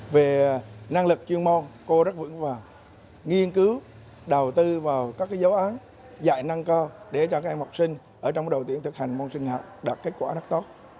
về năng lực chuyên môn cô rất vững vàng nghiên cứu đầu tư vào các giáo án dạy năng cao để cho các em học sinh ở trong đầu tiên thực hành môn sinh học đạt kết quả rất tốt